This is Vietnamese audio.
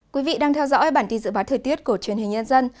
quý vị đang theo dõi bản tin dự báo thời tiết của truyền hình nhân dân